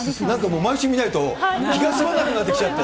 毎週見ないと気がすまなくなってきちゃって。